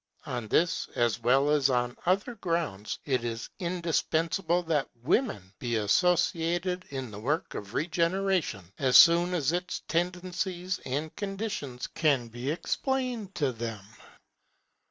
On this, as well as on other grounds, it is indispensable that Women be associated in the work of regeneration as soon as its tendencies and conditions can be explained to them.